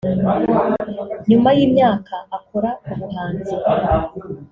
nyuma y’imyaka akora ubuhanzi